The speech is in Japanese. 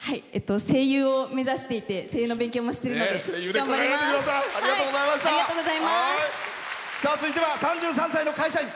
声優を目指していて声優の勉強もしているので続いては３３歳の会社員。